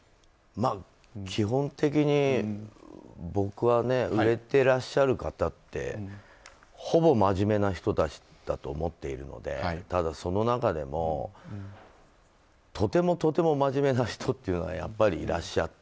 基本的に僕は売れてらっしゃる方ってほぼ真面目な人たちだと思っているのでただ、その中でも、とてもとても真面目な人というのがやっぱりいらっしゃって。